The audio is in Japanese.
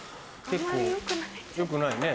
結構良くないね。